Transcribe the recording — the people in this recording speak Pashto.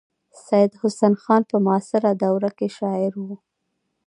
سید حسن خان په معاصره دوره کې شاعر و.